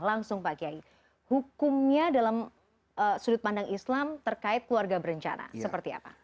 langsung pak kiai hukumnya dalam sudut pandang islam terkait keluarga berencana seperti apa